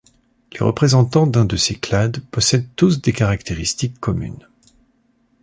Les représentants d'un de ces clades possèdent tous des caractéristiques communes.